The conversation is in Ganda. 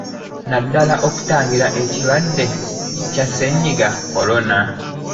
Naddala okutangira ekirwadde kya Ssennyiga Corona.